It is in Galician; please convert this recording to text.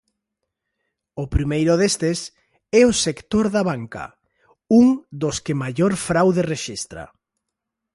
O primeiro destes é o sector da banca, un dos que maior fraude rexistra.